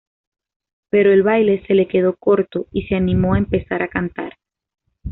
Pero el baile se le quedó corto y se animó a empezar a cantar.